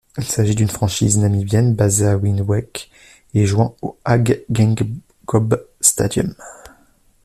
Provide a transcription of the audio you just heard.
Il s'agit d'une franchise namibienne basée à Windhoek et jouant au Hage Geingob Stadium.